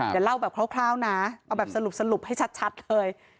อย่าเล่าแบบคร่าวนะเอาแบบสรุปให้ชัดเลย